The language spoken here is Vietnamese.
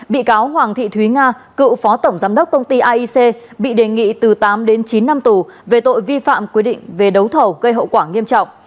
bị cáo hoàng thị thúy nga cựu phó tổng giám đốc công ty aic bị đề nghị từ tám đến chín năm tù về tội vi phạm quy định về đấu thầu gây hậu quả nghiêm trọng